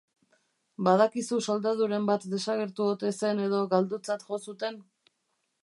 Badakizu soldaduren bat desagertu ote zen edo galdutzat jo zuten?